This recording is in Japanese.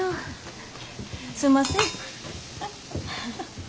すんません。